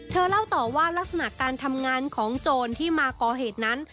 เล่าต่อว่ารักษณะการทำงานของโจรที่มาก่อเหตุนั้น